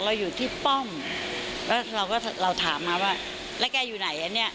เราอยู่ที่ป้อมแล้วเราก็เราถามมาว่าแล้วแกอยู่ไหนอันนี้